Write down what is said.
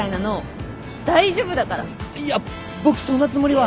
いや僕そんなつもりは。